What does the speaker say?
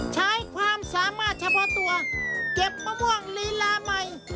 ใช้ความสามารถเฉพาะตัวเก็บมะม่วงลีลาใหม่